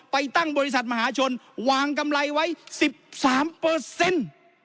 ไปตั้งบริษัทมหาชนวางกำไรไว้สิบสามเปอร์เซ็นต์